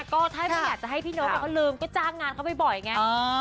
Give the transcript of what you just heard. ก็ถ้าไม่อยากจะให้พี่นกเขาลืมก็จ้างงานเขาบ่อยไง